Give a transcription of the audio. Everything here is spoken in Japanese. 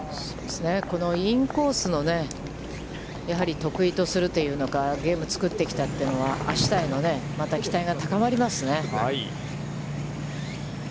このインコースの、やはり得意とするというのか、ゲーム作ってきたというのは、あしたへの期待が高まりますね。